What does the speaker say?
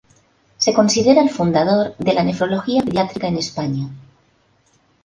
Se considera el fundador de la Nefrología pediátrica en España.